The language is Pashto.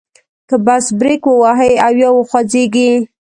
که بس بریک ووهي او یا وخوځیږي.